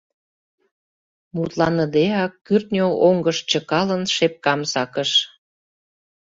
Мутланыдеак, кӱртньӧ оҥгыш чыкалын, шепкам сакыш.